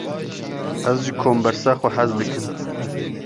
Ez ji kombersa xwe hez dikim.